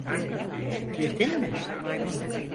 Girdin mi?